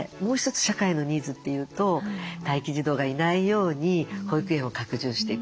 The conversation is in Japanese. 社会のニーズというと待機児童がいないように保育園を拡充していくと。